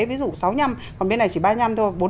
ví dụ sáu năm còn bên này chỉ ba năm thôi